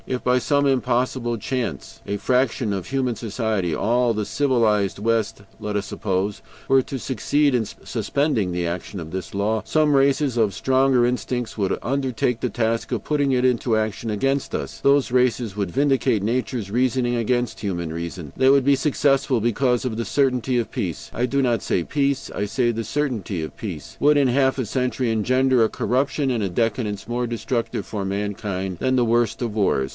If by some impossible chance a fraction of human society all the civilized West, let us suppose were to succeed in suspending the action of this law, some races of stronger instincts would undertake the task of putting it into action against us: those races would vindicate nature's reasoning against human reason; they would be successful, because the certainty of peace I do not say PEACE, I say the CERTAINTY OF PEACE would, in half a century, engender a corruption and a decadence more destructive for mankind than the worst of wars.